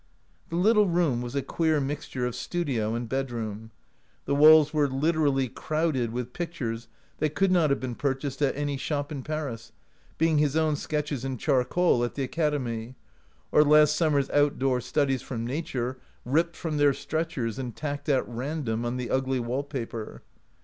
The little room was a queer mixture of studio and bedroom. The walls were liter ally crowded with pictures that could not have been purchased at any shop in Paris, being his own sketches in charcoal at the academy, or last summer's outdoor studies from nature, ripped from their stretchers and tacked at random on the ugly wall paper.